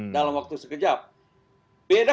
dalam waktu sekejap beda